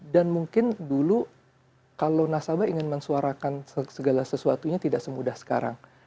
dan mungkin dulu kalau nasabah ingin mensuarakan segala sesuatunya tidak semudah sekarang